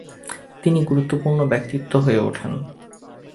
তিনি গুরুত্বপূর্ণ ব্যক্তিত্ব হয়ে উঠেন।